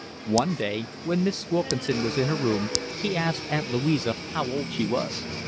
One day when Miss Wilkinson was in her room he asked Aunt Louisa how old she was.